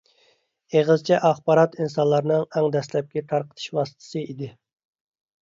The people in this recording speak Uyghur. ئېغىزچە ئاخبارات ئىنسانلارنىڭ ئەڭ دەسلەپكى تارقىتىش ۋاسىتىسى ئىدى.